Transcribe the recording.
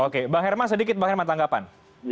oke bang herma sedikit tanggapan